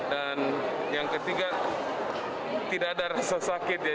dan yang ketiga tidak ada rasa sakit ya